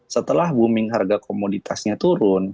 setelah booming harga komoditasnya turun